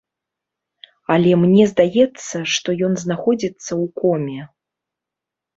Але мне здаецца, што ён знаходзіцца ў коме.